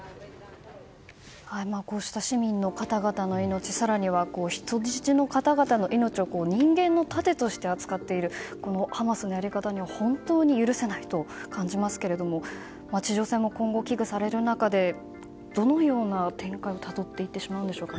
こうした市民の方々の命更には人質の方たちの命を人間の盾として扱っているハマスのやり方は本当に許せないと感じますが地上戦も今後危惧される中でどのような展開をたどっていってしまうんでしょうか。